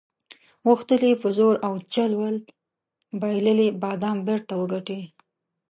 غوښتل یې په زور او چل ول بایللي بادام بیرته وګټي.